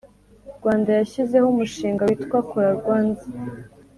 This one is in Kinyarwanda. Rwanda yashyizeho umushinga witwa kora rwands